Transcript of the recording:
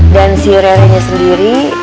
dan si rerenya sendiri